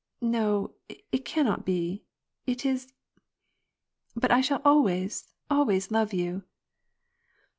No, it cannot be ; it is — but I shall always, always love you."